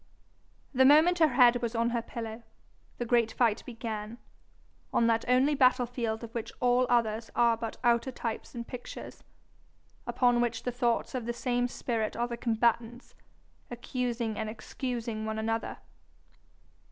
The moment her head was on her pillow the great fight began on that only battle field of which all others are but outer types and pictures, upon which the thoughts of the same spirit are the combatants, accusing and excusing one another.